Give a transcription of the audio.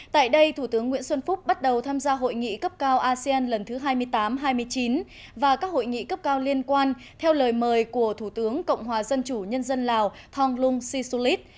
tại đây thủ tướng nguyễn xuân phúc bắt đầu tham gia hội nghị cấp cao asean lần thứ hai mươi tám hai mươi chín và các hội nghị cấp cao liên quan theo lời mời của thủ tướng cộng hòa dân chủ nhân dân lào thonglung sisulit